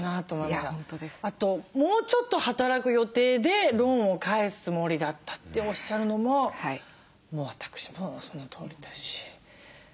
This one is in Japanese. あともうちょっと働く予定でローンを返すつもりだったっておっしゃるのも私もそのとおりだし。